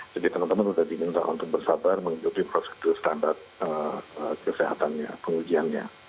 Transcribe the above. jadi teman teman sudah diminta untuk bersabar mengikuti proses standar kesehatannya pengujiannya